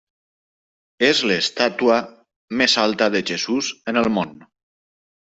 És l'estàtua més alta de Jesús en el món.